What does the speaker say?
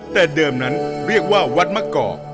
แต่เดิมนั้นเรียกว่าวัดมะกอก